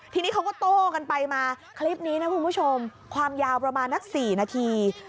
ทีนี้เขาก็โต้กันไปมาคลิปนี้นะคุณผู้ชมความยาวประมาณนัก๔นาที